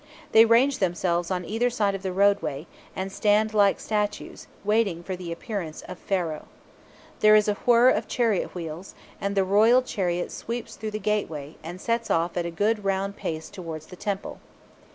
They range themselves on either side of the roadway, and stand like statues, waiting for the appearance of Pharaoh. There is a whir of chariot wheels, and the royal chariot sweeps through the gateway, and sets off at a good round pace towards the temple.